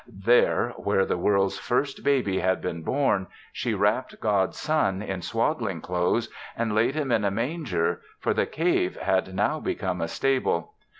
There, where the world's first baby had been born, she wrapped God's son in swaddling clothes and laid him in a manger, for the cave had now become a stable.